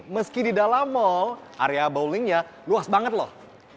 meski di dalam mall area bowlingnya luas banget loh